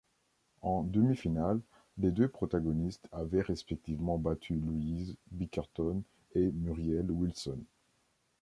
En demi-finale, les deux protagonistes avaient respectivement battu Louise Bickerton et Muriel Wilson.